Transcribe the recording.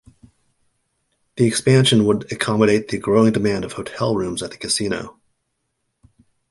The expansion would accommodate the growing demand of hotel rooms at the casino.